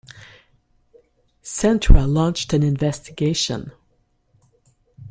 Centra launched an investigation.